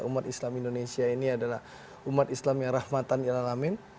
umat islam indonesia ini adalah umat islam yang rahmatan ilhamin